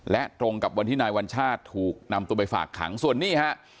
และตรงกับวันที่นายวัญชาติถูกนำตัวไปฝากขังส่วนนี้ฮะ